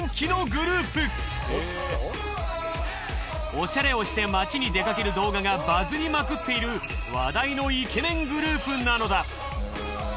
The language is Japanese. おしゃれをして街に出かける動画がバズりまくっている話題のイケメングループなのだ。